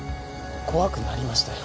怖くなりましたよ。